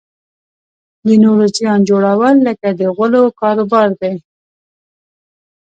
د نورو زیان جوړول لکه د غولو کاروبار دی.